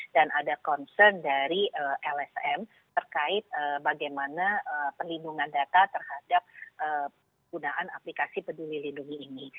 dan ada concern dari lsm terkait bagaimana pelindungan data terhadap penggunaan aplikasi peduli lindungi ini